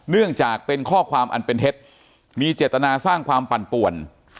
เนื่องจากเป็นข้อความอันเป็นเท็จมีเจตนาสร้างความปั่นป่วน